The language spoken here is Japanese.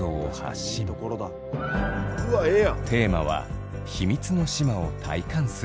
テーマは「秘密の志摩を体感する」。